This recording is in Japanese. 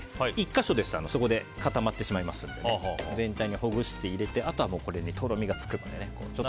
１か所ですとそこで固まってしまいますので全体にほぐして入れてあとはこれにとろみがつくので。